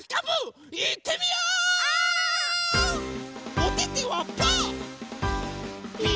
おててはパー。